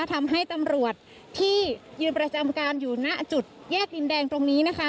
ทำให้ตำรวจที่ยืนประจำการอยู่ณจุดแยกดินแดงตรงนี้นะคะ